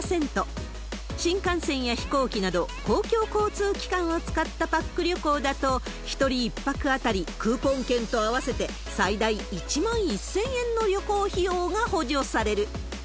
新幹線や飛行機など、公共交通機関を使ったパック旅行だと、１人１泊当たり、クーポン券と合わせて最大１万１０００円の旅行費用が補助される。